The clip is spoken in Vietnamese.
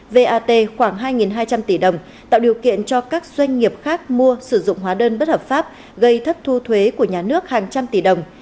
vat khoảng hai hai trăm linh tỷ đồng tạo điều kiện cho các doanh nghiệp khác mua sử dụng hóa đơn bất hợp pháp gây thất thu thuế của nhà nước hàng trăm tỷ đồng